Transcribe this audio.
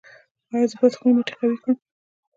ایا زه باید خپل مټې قوي کړم؟